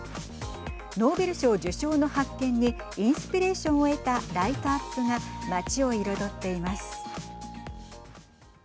ノーベル賞受賞の発見にインスピレーションを得たライトアップが街を彩っています。